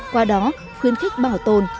qua đó khuyến khích bảo tồn